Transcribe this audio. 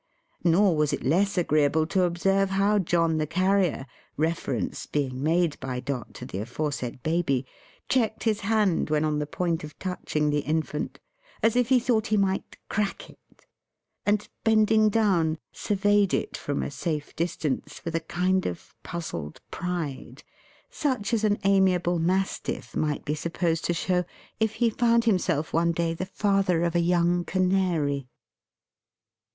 Nor was it less agreeable to observe how John the Carrier, reference being made by Dot to the aforesaid Baby, checked his hand when on the point of touching the infant, as if he thought he might crack it; and bending down, surveyed it from a safe distance, with a kind of puzzled pride: such as an amiable mastiff might be supposed to show, if he found himself, one day, the father of a young canary.